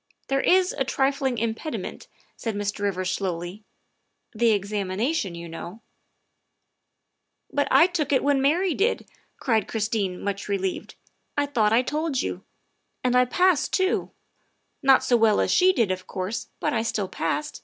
" There is a trifling impediment," said Mr. Rivers slowly, " the examination, you know." " But I took it when Mary did," cried Christine, much relieved. " I thought that I told you. And I passed too ; not so well as she did, of course, but still I passed."